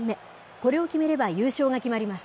これを決めれば優勝が決まります。